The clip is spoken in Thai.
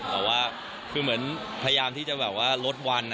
แต่ว่าคือเหมือนพยายามที่จะแบบว่าลดวัน